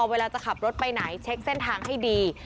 เวลาจะขับรถไปไหนเช็คเส้นทางให้ดี